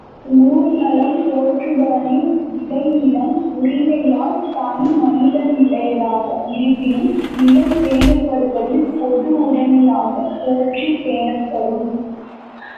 ஊர் நலம் போற்றுபவனின் விளைநிலம் உரிமையால் தனி மனிதனுடையதாக இருப்பினும் நிலம் பேணப்படுவதில் பொதுவுடைமையாகப் போற்றிப் பேணப்படும்.